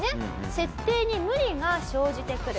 設定に無理が生じてくる。